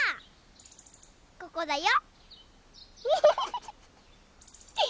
ここだよ！